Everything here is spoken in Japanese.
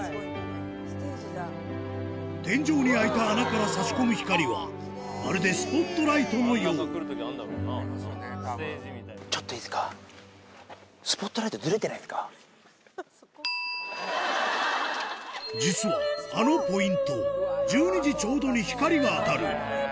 天井に開いた穴から差し込む光はまるでスポットライトのよう実はあのポイント１２時ちょうどに光が当たる